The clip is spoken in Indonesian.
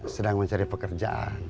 sedang mencari pekerjaan